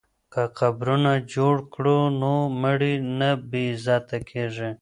که قبرونه جوړ کړو نو مړي نه بې عزته کیږي.